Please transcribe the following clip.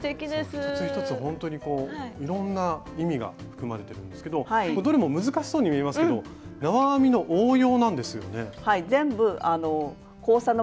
一つ一つほんとにこういろんな意味が含まれてるんですけどどれも難しそうに見えますけど縄編みの応用なんですよね？